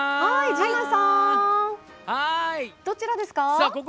陣内さん、どちらですか？